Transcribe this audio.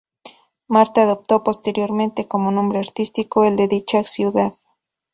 Martha adoptó posteriormente como nombre artístico el de dicha ciudad.